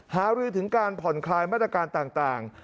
หารือถึงการผ่อนคลายมาตรการต่าง